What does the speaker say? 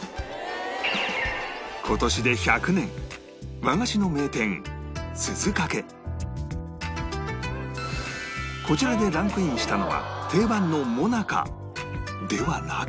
今年で１００年和菓子の名店こちらでランクインしたのは定番の最中ではなく